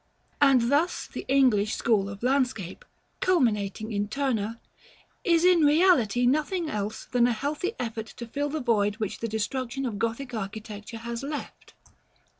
And thus the English school of landscape, culminating in Turner, is in reality nothing else than a healthy effort to fill the void which the destruction of Gothic architecture has left.